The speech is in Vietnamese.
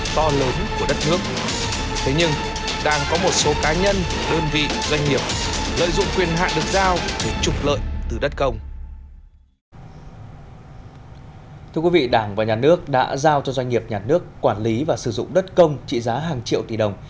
thưa quý vị đảng và nhà nước đã giao cho doanh nghiệp nhà nước quản lý và sử dụng đất công trị giá hàng triệu tỷ đồng